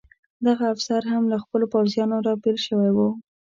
دغه افسر هم له خپلو پوځیانو را بېل شوی و.